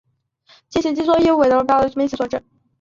进行性脊肌萎缩仅由脊髓前角细胞变性所致。